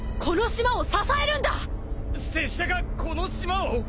拙者がこの島を？